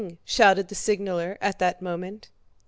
shouted the signaler at that moment.